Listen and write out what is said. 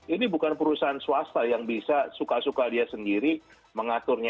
ini bukan perusahaan swasta yang bisa suka suka dia sendiri mengaturnya